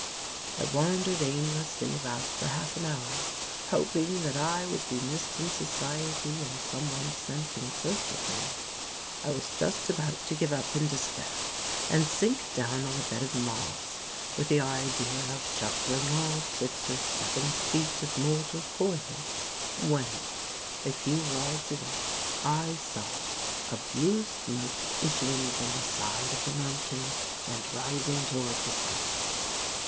I wandered aimlessly about for half an hour, hoping that I would be missed in society and some one sent in search of me. I was just about to give up in despair and sink down on a bed of moss with the idea of shuffling off six or seven feet of mortal coil when, a few rods away, I saw a blue smoke issuing from the side of the mountain and rising toward the sky.